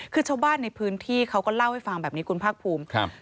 คือชาวบ้านในพื้นที่เขาก็เล่าให้ฟังแบบนี้คุณภาคภูมิครับ